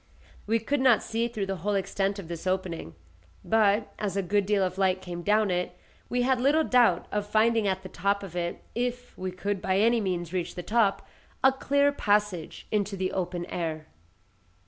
We could not see through the whole extent of this opening; but, as a good deal of light came down it, we had little doubt of finding at the top of it (if we could by any means reach the top) a clear passage into the open air.